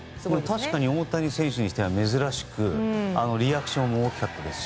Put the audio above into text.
確かに大谷選手にしては珍しく、リアクションが大きかったですし。